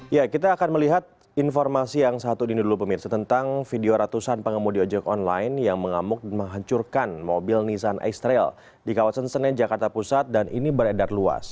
ya kita akan melihat informasi yang satu ini dulu pemirsa tentang video ratusan pengemudi ojek online yang mengamuk dan menghancurkan mobil nissan x trail di kawasan senen jakarta pusat dan ini beredar luas